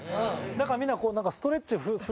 だからみんなこう。